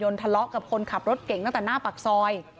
ทะเลาะกับคนขับรถเก่งตั้งแต่หน้าปากซอย